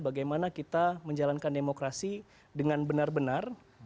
bagaimana kita menjalankan demokrasi dengan benar benar